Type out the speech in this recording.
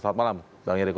selamat malam bang eriko